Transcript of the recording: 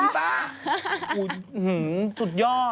อื้อหือสุดยอด